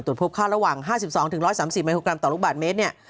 ตรวจพบค่าระหว่าง๕๒๑๓๐ไมโครกรัมต่อลูกบาทเมตร